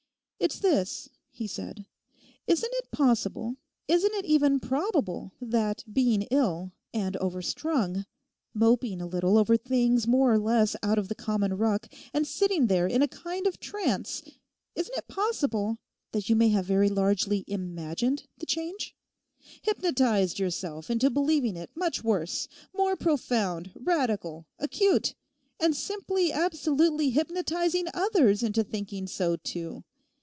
'It's this,' he said. 'Isn't it possible, isn't it even probable that being ill, and overstrung, moping a little over things more or less out of the common ruck, and sitting there in a kind of trance—isn't it possible that you may have very largely imagined the change? Hypnotised yourself into believing it much worse—more profound, radical, acute—and simply absolutely hypnotizing others into thinking so, too.